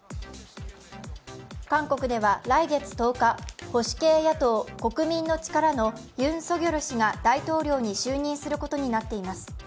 韓国では来月１０日、保守系野党・国民の力のユン・ソギョル氏が大統領に就任することになっています。